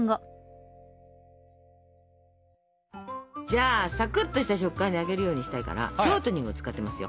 じゃあサクッとした食感で揚げるようにしたいからショートニングを使ってますよ。